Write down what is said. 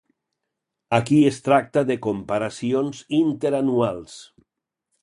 Aquí es tracta de comparacions interanuals.